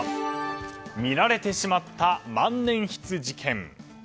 見られてしまった万年筆事件。